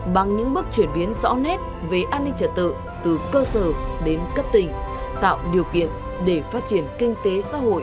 bằng những bước chuyển biến rõ nét về an ninh trật tự từ cơ sở đến cấp tỉnh tạo điều kiện để phát triển kinh tế xã hội